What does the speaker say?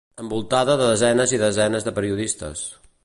Envoltada de desenes i desenes de periodistes.